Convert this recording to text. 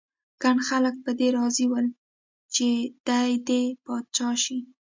ګڼ خلک په دې راضي ول چې دی دې پاچا شي.